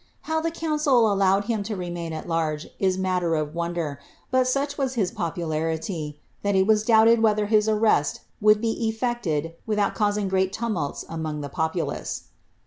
How the council allowed him to remain at large is matter of wonder* bnl, snch was his popularity, that it was doubted whether his arrest Would be eflected without causing great tumults among the populace.